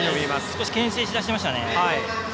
少しけん制しだしました。